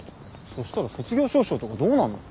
そしたら卒業証書とかどうなんの？